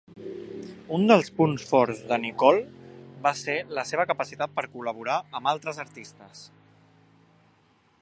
Un dels punts forts de Nichol va ser la seva capacitat per col·laborar amb altres artistes.